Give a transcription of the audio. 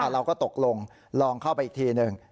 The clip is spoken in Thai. เราก็ตกลงลองเข้าไปอีกทีหนึ่ง